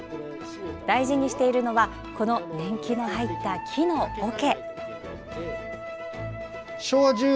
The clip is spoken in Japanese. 大事にしているのはこの年季の入った木のおけ。